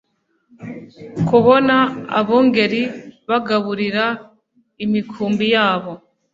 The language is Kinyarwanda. kubona abungeri bagaburira imikumbi yabo